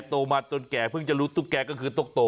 โตมาจนแก่เพิ่งจะรู้ตุ๊กแกก็คือตุ๊กโต